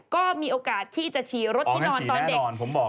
ก็มีโอกาสที่จะฉี่รถที่นอนตอนเด็ก